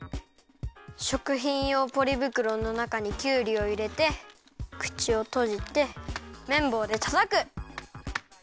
しょくひんようポリぶくろのなかにきゅうりをいれてくちをとじてめんぼうでたたく！